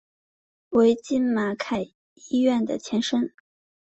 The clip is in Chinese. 为今马偕医院的前身。